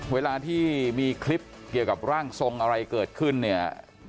เวลาที่มีคลิปเกี่ยวกับร่างทรงอะไรเกิดขึ้นเนี่ย